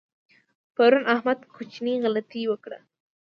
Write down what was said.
پرون احمد کوچنۍ غلطۍ وکړه.